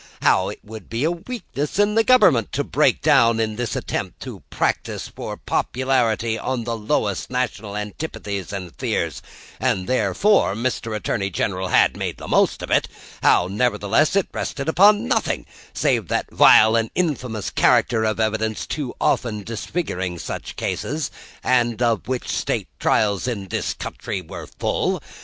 How it would be a weakness in the government to break down in this attempt to practise for popularity on the lowest national antipathies and fears, and therefore Mr. Attorney General had made the most of it; how, nevertheless, it rested upon nothing, save that vile and infamous character of evidence too often disfiguring such cases, and of which the State Trials of this country were full.